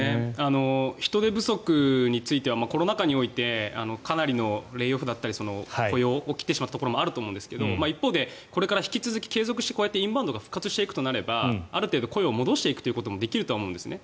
人手不足についてはコロナ禍においてかなりのレイオフだったり雇用が起きてしまったところがあるんですが一方でこれから引き続き継続してインバウンドが復活していくとなればある程度、雇用を戻していくこともできると思うんですね。